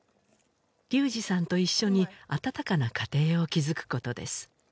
龍志さんと一緒に温かな家庭を築くことです